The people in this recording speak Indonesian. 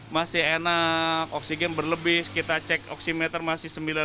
masih enak oksigen berlebih kita cek oksimeter masih sembilan puluh lima sembilan puluh delapan